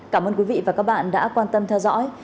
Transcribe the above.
cảm ơn quý vị và các bạn đã quan tâm theo dõi